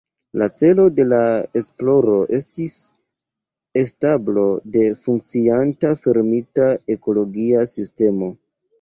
La celo de la esploro estis establo de funkcianta fermita ekologia sistemo.